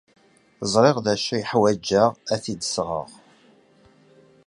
Ẓriɣ d acu ay ḥwajeɣ ad t-id-sɣeɣ.